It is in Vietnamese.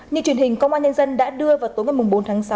như truyền hình công an nhân dân đã đưa vào tối ngày bốn tháng sáu